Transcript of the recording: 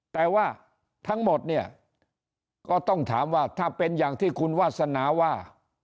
แต่ว่าทั้งหมดเนี่ยก็ต้องถามว่าถ้าเป็นอย่างที่คุณวาสนาว่า